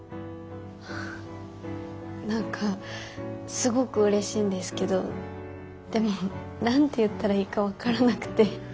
あ何かすごくうれしいんですけどでも何て言ったらいいか分からなくて。